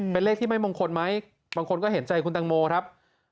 เป็นเลขที่ไม่มงคลไหมบางคนก็เห็นใจคุณตังโมครับ